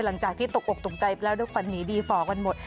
หลังจากที่ตกอกตกใจไปแล้วด้วยขวัญหนีดีฝ่อกันหมด